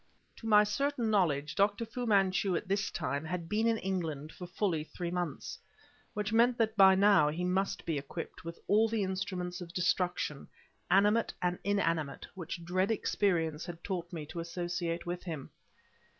To my certain knowledge, Dr. Fu Manchu at this time had been in England for fully three months, which meant that by now he must be equipped with all the instruments of destruction, animate and inanimate, which dread experience had taught me to associate with him.